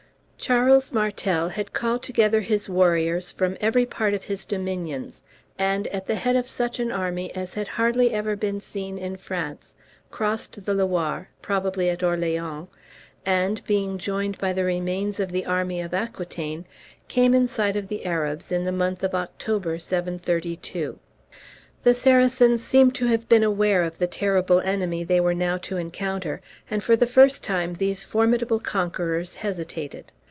Charles Martel had called together his warriors from every part of his dominions, and, at the head of such an army as had hardly ever been seen in France, crossed the Loire, probably at Orleans, and, being joined by the remains of the army of Aquitaine, came in sight of the Arabs in the month of October, 732. The Saracens seem to have been aware of the terrible enemy they were now to encounter, and for the first time these formidable conquerors hesitated.